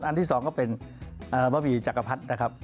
อันที่สองก็เป็นบะหมี่จักรพัดนะครับ